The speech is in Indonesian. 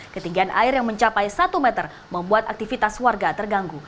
ketinggian air yang mencapai satu meter membuat aktivitas warga terganggu